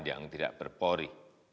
yang tidak berpori